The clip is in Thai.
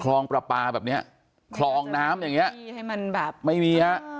ครองปลาปลาแบบเนี้ยครองน้ำอย่างเงี้ยให้มันแบบไม่มีอ่ะ